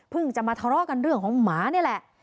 จะมาทะเลาะกันเรื่องของหมานี่แหละ